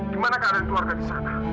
gimana keadaan keluarga di sana